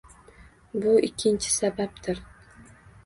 Bu ikkinchi sababdir